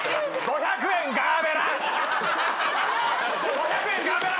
５００円ガーベラ！